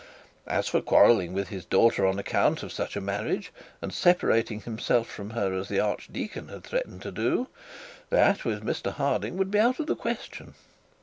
As for quarrelling with his daughter on account of such a marriage, and separating himself from her as the archdeacon had threatened to do, that, with Mr Harding, would be out of the question.